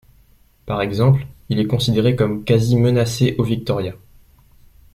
Par exemple, il est considéré comme quasi menacé auVictoria.